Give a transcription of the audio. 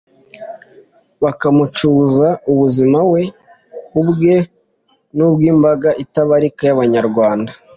bakamucuza ubuzima we ubwe n'ubw'imbaga itabarika y'Abanyarwanda.